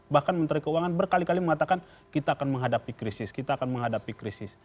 bahkan menteri keuangan berkali kali mengatakan kita akan menghadapi krisis kita akan menghadapi krisis